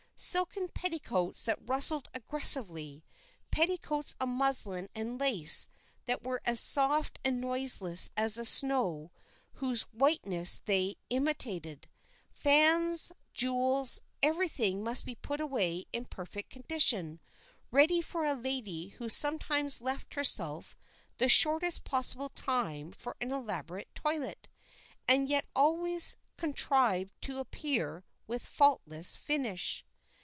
Silken petticoats that rustled aggressively; petticoats of muslin and lace that were as soft and noiseless as the snow whose whiteness they imitated; fans, jewels, everything must be put away in perfect condition, ready for a lady who sometimes left herself the shortest possible time for an elaborate toilette, and yet always contrived to appear with faultless finish.